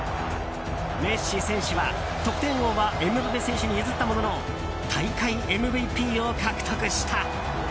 メッシ選手は、得点王はエムバペ選手に譲ったものの大会ＭＶＰを獲得した。